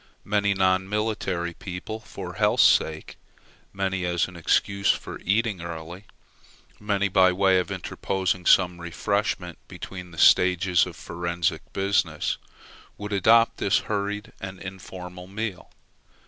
Many non military people for health's sake, many as an excuse for eating early, many by way of interposing some refreshment between the stages of forensic business, would adopt this hurried and informal meal.